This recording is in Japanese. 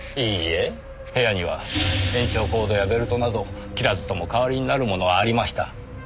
いいえ部屋には延長コードやベルトなど切らずとも代わりになるものはありました。